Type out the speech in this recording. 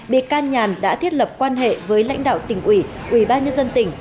bị can nhàn đã thiết lập quan hệ với lãnh đạo tỉnh ủy ủy ban nhân dân tỉnh